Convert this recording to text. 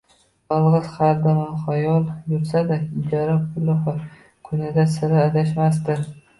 Yolg’iz, hardamxayol yursa-da, ijara puli va kunidan sira adashmasdi